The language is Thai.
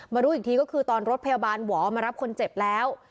รู้อีกทีก็คือตอนรถพยาบาลหวอมารับคนเจ็บแล้ว